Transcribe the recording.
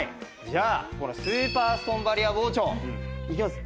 じゃあこのスーパーストーンバリア包丁。いきます。